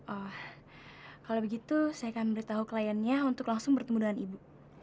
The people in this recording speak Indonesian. oh kalau begitu saya akan memberitahu kliennya untuk langsung bertemu dengan ibu